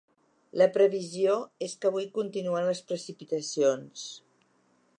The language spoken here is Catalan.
La previsió és que avui continuen les precipitacions.